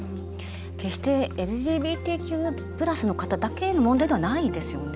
決してＬＧＢＴＱ＋の方だけの問題ではないですよね。